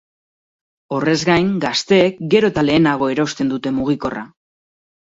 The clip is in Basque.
Horrez gain, gazteek gero eta lehenago erosten dute mugikorra.